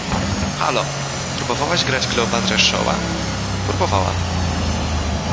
— Hallo! Próbowałaś grać Kleopatrę Shawa? — Próbowałam.